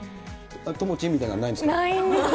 ともちんみたいなのはないんないんです。